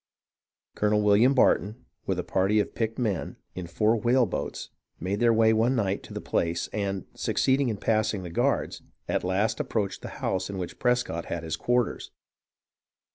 Colonel William Barton, with a party of picked men, in four whaleboats made their way one night to the place, and, succeeding in passing the guards, at last ap proached the house in which Prescott had his quarters.